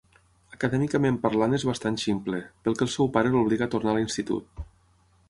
Acadèmicament parlant és bastant ximple, pel que el seu pare l'obliga a tornar a l'institut.